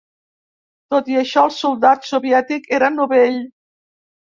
Tot i això, el soldat soviètic era novell.